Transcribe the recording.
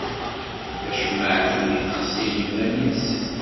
Tacemmaɛt-nni texsi i yiman-nnes.